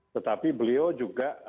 tetapi beliau juga